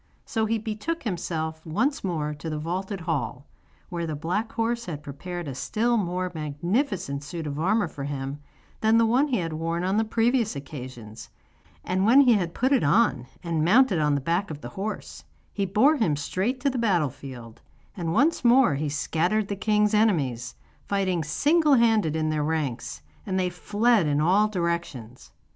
So he betook himself once more to the vaulted hall, where the black horse had prepared a still more magnificent suit of armour for him than the one he had worn on the previous occasions, and when he had put it on, and mounted on the back of the horse, he bore him straight to the battle field, and once more he scattered the king's enemies, fighting single handed in their ranks, and they fled in all directions.